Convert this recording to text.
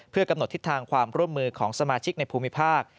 เพื่อกำหนดทิศทางความร่วมมือของสมาชิกในภูมิภาค